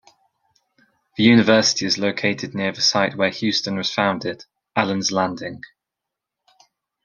The university is located near the site where Houston was founded, Allen's Landing.